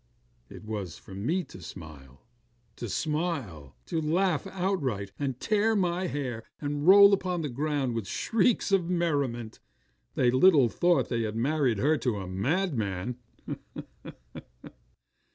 It was for me to smile. To smile! To laugh outright, and tear my hair, and roll upon the ground with shrieks of merriment. They little thought they had married her to a madman.